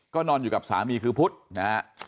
ก็นอนอยู่กับสามีคือพุทธนะฮะ